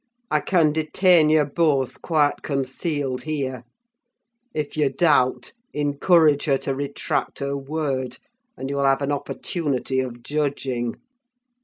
I can detain you both, quite concealed, here. If you doubt, encourage her to retract her word, and you'll have an opportunity of judging!"